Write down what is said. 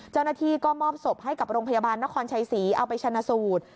เจ้าหน้าที่ก็มอบศพให้กับโรงพยาบาลนครชัยศรีเอาไปชนะสูตร